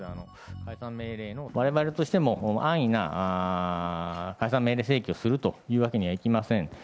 われわれとしても、安易な解散命令請求をするというわけにはいきません。